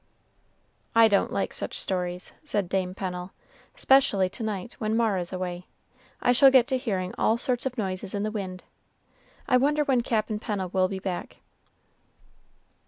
"I don't like such stories," said Dame Pennel, "'specially to night, when Mara's away. I shall get to hearing all sorts of noises in the wind. I wonder when Cap'n Pennel will be back."